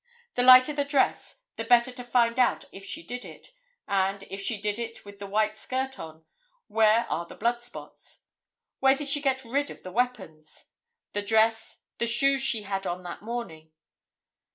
The lighter the dress the better to find out if she did it, and, if she did it with the white skirt on, where are the blood spots? Where did she get rid of the weapons? The dress, the shoes she had on that morning.